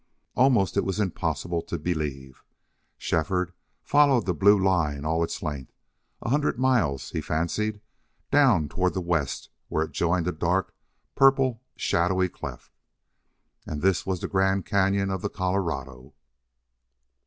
Almost it was impossible to believe. Shefford followed the blue line all its length, a hundred miles, he fancied, down toward the west where it joined a dark, purple, shadowy cleft. And this was the Grand Cañon of the Colorado.